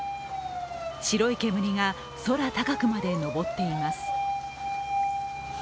白い煙が空高くまで上っています。